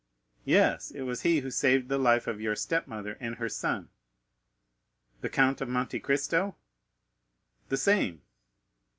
"Yes; it was he who saved the life of your step mother and her son." "The Count of Monte Cristo?" "The same."